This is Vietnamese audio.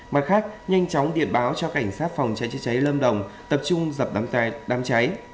mặt khác nhanh chóng điện báo cho cảnh sát phòng cháy chữa cháy lâm đồng tập trung dập đám cháy